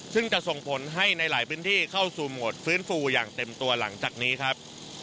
ซึ่งจะส่งผลให้ในหลายพื้นที่เข้าสู่โหมดฟื้นฟูอย่างเต็มตัวหลังจากนี้ครับ